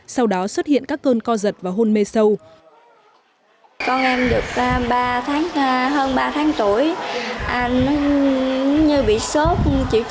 sau đó xuất hiện các cơn co giật và hôn mê sâu